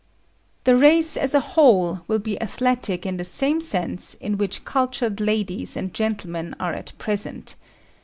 The race, as a whole, will be athletic in the same sense in which cultured ladies and gentlemen are at present.